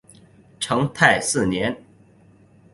成泰四年。